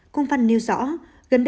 công văn nêu rõ